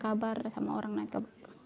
selalu berubah ke sana selalu titip salam